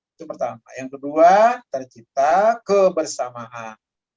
itu pertama yang kedua tercipta kebersamaan